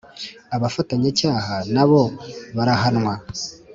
abafatanyacyaha nabo barahanwa.